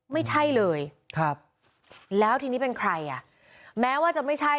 ไม่ใช่เลยครับแล้วทีนี้เป็นใครอ่ะแม้ว่าจะไม่ใช่